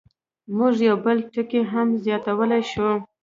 موږ یو بل ټکی هم زیاتولی شو.